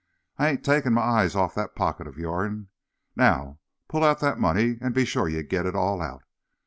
"I ain't taken my eyes off that pocket o' your 'n. Now, pull out that money, an' be sure ye git it all out.